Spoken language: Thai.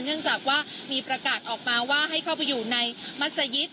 เนื่องจากว่ามีประกาศออกมาว่าให้เข้าไปอยู่ในมัศยิต